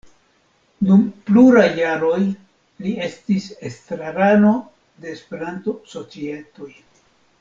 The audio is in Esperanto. Dum pluraj jaroj li estis estrarano de Esperanto-societoj.